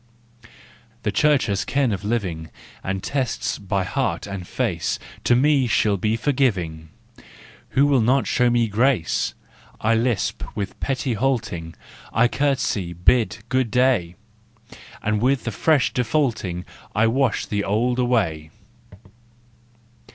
The Church has ken of living, And tests by heart and face. To me she'll be forgiving! Who will not show me grace ? I lisp with pretty halting, I curtsey, bid " good day," And with the fresh defaulting I wash the old away!